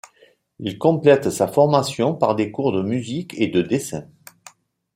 Il complète sa formation par des cours de musique et de dessin.